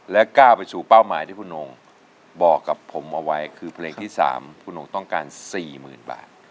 และก้าวไปสู่เป้าหมายที่คุณองค์บอกกับผมเอาไว้คือเพลงที่สามคุณองค์ต้องการสี่หมื่นบาท